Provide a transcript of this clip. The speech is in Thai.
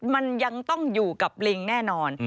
มันยังต้องอยู่กับลิงแน่นอน